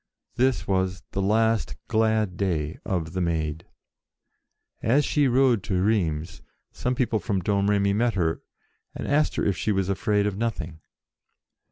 This was the last glad day of the Maid. As she rode to Rheims, some people from Domremy met her and asked her if she was afraid of nothing.